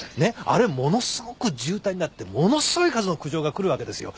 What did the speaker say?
あれものすごく渋滞になってものすごい数の苦情がくるわけですよ。